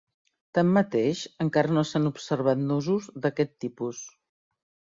Tanmateix, encara no s'han observat nusos d'aquest tipus.